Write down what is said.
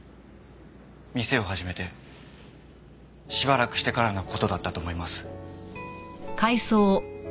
店を始めてしばらくしてからの事だったと思います。